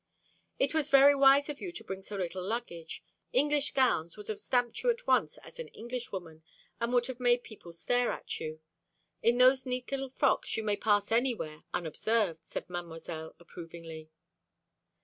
"It was very wise of you to bring so little luggage. English gowns would have stamped you at once as an Englishwoman, and would have made people stare at you. In those neat little frocks you may pass anywhere unobserved," said Mademoiselle approvingly.